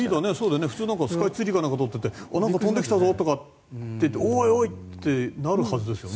普通スカイツリーかなんか撮ってたら飛んできたぞとかって言っておいおいってなるはずですよね。